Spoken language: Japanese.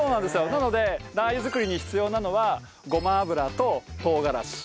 なのでラー油作りに必要なのはごま油と唐辛子。